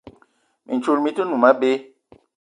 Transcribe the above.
Mintchoul mi-te noum abé.